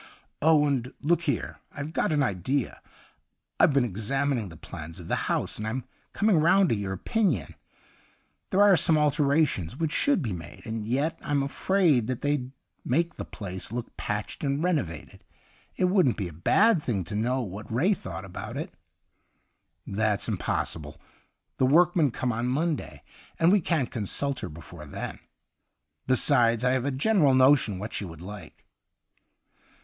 ' Oh, and look here, I've got an idea. I've been examining the plans of the house^ and I'm coming round to your opinion. There are some alterations which should be made, and yet I'm afraid that they'd inake the place look patched and renovated. It wouldn't be a bad thing to know what Ray thought about it.' ' That's impossible. The work men come on Monday, and we can't consult her before then. Besides, I have a general notion what she would like.'